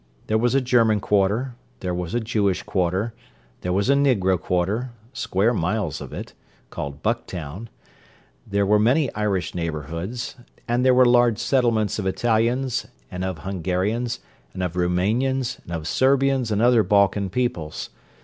There was a German quarter; there was a Jewish quarter; there was a negro quarter—square miles of it—called "Bucktown"; there were many Irish neighbourhoods; and there were large settlements of Italians, and of Hungarians, and of Rumanians, and of Serbians and other Balkan peoples.